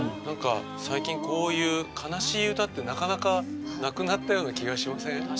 なんか最近こういう悲しい歌ってなかなかなくなったような気がしません？